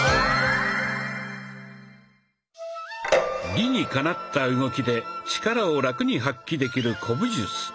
理にかなった動きで力をラクに発揮できる古武術。